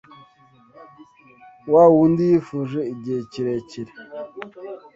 wa wundi yifuje igihe kirekire!